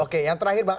oke yang terakhir pak